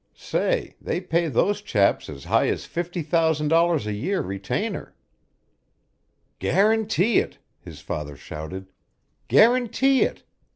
Say, they pay those chaps as high as fifty thousand dollars a year retainer!" "Guarantee it!" his father shouted. "Guarantee it!